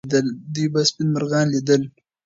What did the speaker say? دوی به سپین مرغان لیدل.